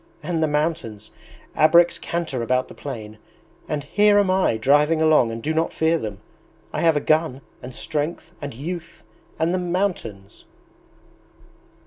and the mountains! 'Abreks canter about the plain, and here am I driving along and do not fear them! I have a gun, and strength, and youth... and the mountains!'